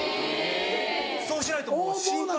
そうしないともう心配で。